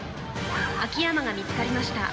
秋山が見つかりました。